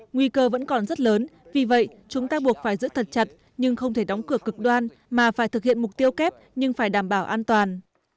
nguy cơ vẫn còn rất lớn vì vậy chúng ta buộc phải giữ thật chặt nhưng không thể đóng cửa cực đoan mà phải thực hiện mục tiêu kép nhưng phải đảm bảo an toàn